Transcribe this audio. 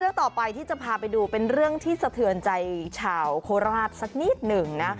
เรื่องต่อไปที่จะพาไปดูเป็นเรื่องที่สะเทือนใจชาวโคราชสักนิดหนึ่งนะ